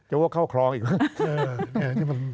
หลังงั้นเนี่ย